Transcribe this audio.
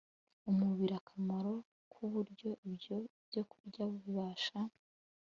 umubiri akamaro ku buryo ibyo byokurya bibasha